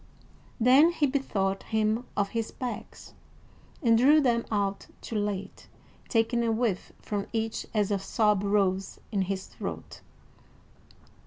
Then he bethought him of his bags, and drew them out too late, taking a whiff from each as a sob rose in his throat.